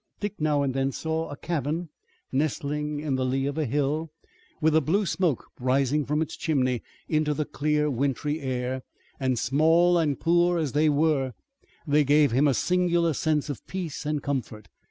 Dick now and then saw a cabin nestling in the lee of a hill, with the blue smoke rising from its chimney into the clear, wintry air, and small and poor as they were they gave him a singular sense of peace and comfort.